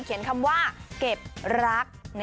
เขียนคำว่าเก็บรัก